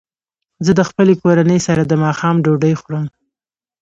زه د خپلې کورنۍ سره د ماښام ډوډۍ خورم.